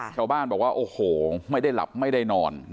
ชาวบ้านบอกว่าโอ้โหไม่ได้หลับไม่ได้นอน